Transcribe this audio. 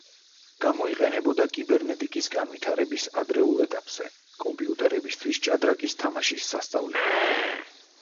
გამოიყენებოდა კიბერნეტიკის განვითარების ადრეულ ეტაპზე კომპიუტერებისთვის ჭადრაკის თამაშის სასწავლებლად.